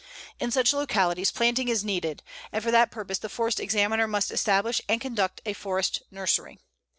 In such localities planting is needed, and for that purpose the Forest Examiner must establish and conduct a forest nursery.